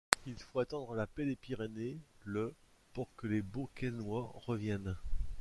Il faut attendre la paix des Pyrénées le pour que les Beauquesnois reviennent.